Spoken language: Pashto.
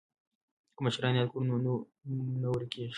که مشران یاد کړو نو نوم نه ورکيږي.